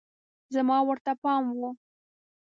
زما ورته پام و